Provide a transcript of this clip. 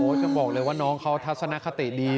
จะบอกเลยว่าน้องเขาทัศนคติดี